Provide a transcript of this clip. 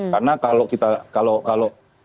karena kalau kita kalau kalau